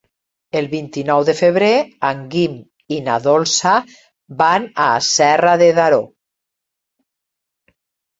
El vint-i-nou de febrer en Guim i na Dolça van a Serra de Daró.